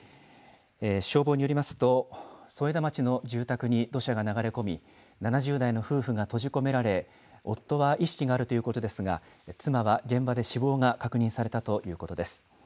消防によりますと、添田町の住宅に土砂が流れ込み、７０代の夫婦が閉じ込められ、夫は意識があるということですが、妻は現場で死亡が確認されたということです。